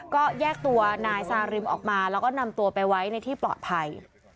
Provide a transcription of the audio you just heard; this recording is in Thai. ก็แยกตัวนายซาริมออกมาแล้วก็นำตัวไปไว้ในที่ปลอดภัย